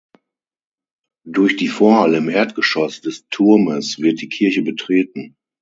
Durch die Vorhalle im Erdgeschoss des Turmes wird die Kirche betreten.